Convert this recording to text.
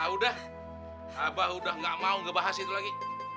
udah apa udah gak mau ngebahas itu lagi